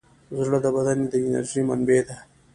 زړه د بدن د انرژۍ منبع ده.